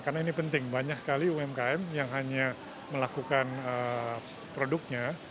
karena ini penting banyak sekali umkm yang hanya melakukan produknya